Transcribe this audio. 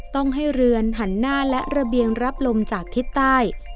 ต้องให้เรือนหันหน้าและระเบียงรับลมจากทิศใต้